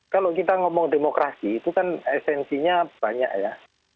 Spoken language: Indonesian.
kalau kita ngomong demokrasi itu kan esensinya banyak ya